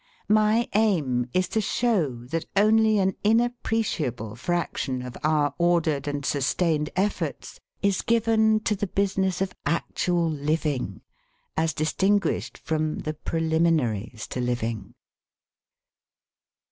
My aim is to show that only an inappreciable fraction of our ordered and sustained efforts is given to the business of actual living, as distinguished from the preliminaries to living.